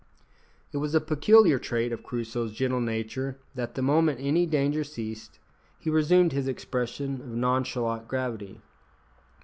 It was a peculiar trait of Crusoe's gentle nature that, the moment any danger ceased, he resumed his expression of nonchalant gravity.